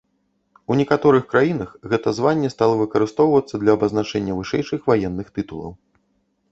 У некаторых краінах гэта званне стала выкарыстоўвацца для абазначэння вышэйшых ваенных тытулаў.